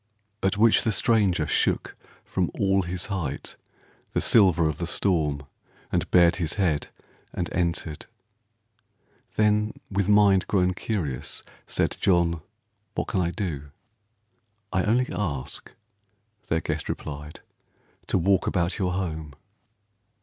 At which the stranger shook From all his height the silver of the storm, And bared his head, and entered. Then, with mind Grown curious, said John: "What can I do?" "I only ask," their guest replied, "to walk 75 A VISITOR About your home."